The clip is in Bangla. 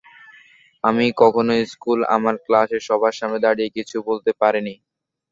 আমি কখনো স্কুলে আমার ক্লাসে সবার সামনে দাঁড়িয়ে কিছু বলতে পারিনি।